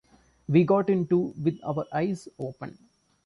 We got into it with our eyes open.